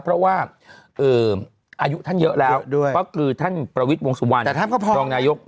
เพราะว่าอายุท่านเยอะแล้วก็คือท่านประวิทย์วงสุวรรณรองนายก